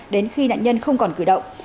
đến khi nạn nhân không còn cử động